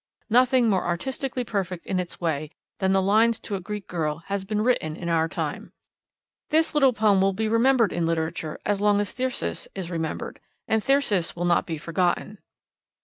Nothing more artistically perfect in its way than the Lines to a Greek Girl has been written in our time. This little poem will be remembered in literature as long as Thyrsis is remembered, and Thyrsis will never be forgotten.